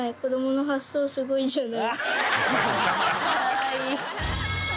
かわいい。